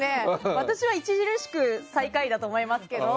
私は著しく最下位だと思いますけど。